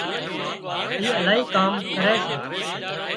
اِي الاهي ڪام ڪري سي